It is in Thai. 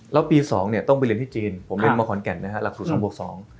แล้วปี๒ต้องไปเรียนที่จีนผมเรียนมาขอนแก่นนะฮะหลักศูนย์๒บวก๒